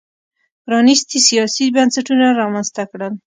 پرانیستي سیاسي بنسټونه رامنځته کړل.